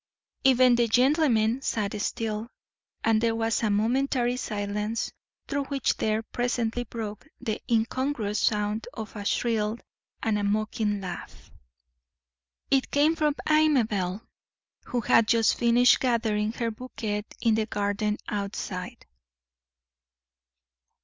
Even the gentlemen sat still, and there was a momentary silence, through which there presently broke the incongruous sound of a shrill and mocking laugh. It came from Amabel, who had just finished gathering her bouquet in the garden outside.